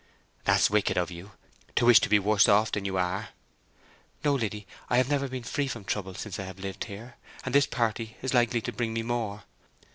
"That's wicked of you—to wish to be worse off than you are." "No, Liddy. I have never been free from trouble since I have lived here, and this party is likely to bring me more.